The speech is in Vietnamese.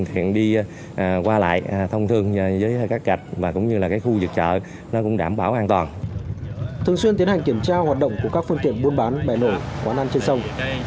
thường xuyên tiến hành kiểm tra hoạt động của các phương tiện buôn bán bè nổi quán ăn trên sông